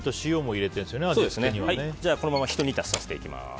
じゃあこのままひと煮立ちさせていきます。